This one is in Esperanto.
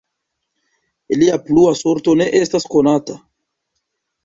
Ilia plua sorto ne estas konata.